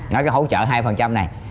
nói cái hỗ trợ hai phần trăm này